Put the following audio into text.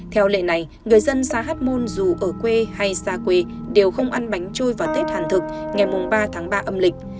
theo lệ này người dân xa hát môn dù ở quê hay xa quê đều không ăn bánh trôi vào tết hàn thực ngày ba ba âm lịch